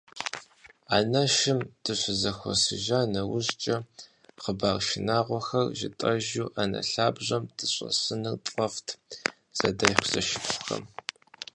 Анэшым дыщызэхуэсыжа нэужькӏэ, хъыбар шынагъуэхэр жытӏэжу ӏэнэ лъабжьэм дыщӏэсыныр тфӏэфӏт зэдэлъхузэшыпхъухэм.